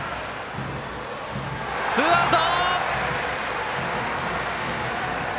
ツーアウト！